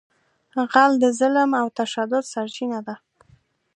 غل د ظلم او تشدد سرچینه ده